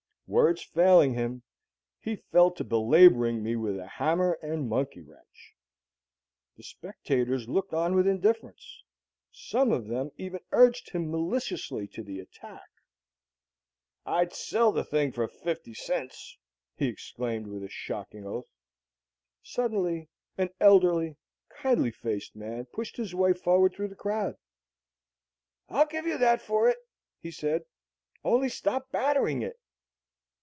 Words failing him, he fell to belaboring me with a hammer and monkey wrench. The spectators looked on with indifference. Some of them even urged him maliciously to the attack. "I'd sell the thing for fifty cents!" he exclaimed, with a shocking oath. Suddenly an elderly, kindly faced man pushed his way forward through the crowd. "I'll give you that for it," he said. "Only stop battering it!"